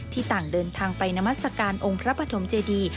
ต่างเดินทางไปนามัศกาลองค์พระปฐมเจดี